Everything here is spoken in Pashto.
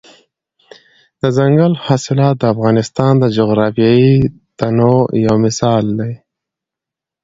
دځنګل حاصلات د افغانستان د جغرافیوي تنوع یو مثال دی.